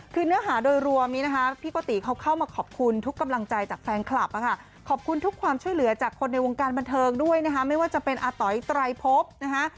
คือเนื้อหาโดยรวมนี้นะคะพี่โกติเขาเข้ามาขอบคุณทุกกำลังใจจากแฟนคลับขอบคุณทุกความช่วยเหลือจากคนในวงการบันเทิงด้วยนะคะไม่ว่าจะเป็นอาต๋อยไตรพบนะคะ